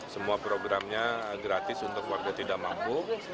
semua programnya gratis untuk warga tidak mampu